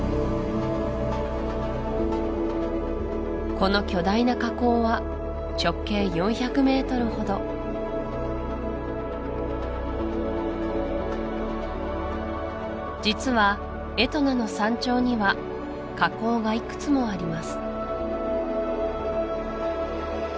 この巨大な火口は直径４００ｍほど実はエトナの山頂には火口がいくつもあります